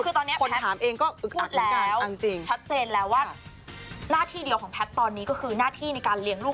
คือตอนนี้คนถามเองก็พูดแล้วชัดเจนแล้วว่าหน้าที่เดียวของแพทย์ตอนนี้ก็คือหน้าที่ในการเลี้ยงลูก